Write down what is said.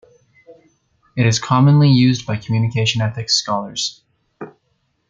It is commonly used by communication ethics scholars.